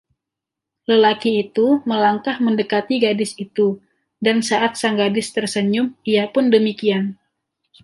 Lelaki itu melangkah mendekati gadis itu, dan saat sang gadis tersenyum ia pun demikian.